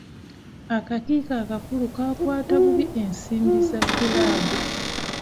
Akakiiko akakulu kaakwata bubi ensimbi za kiraabu.